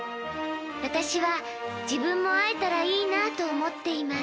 私は、自分も会えたらいいなと思っています。」